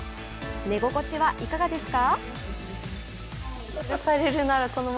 寝心地はいかがですか？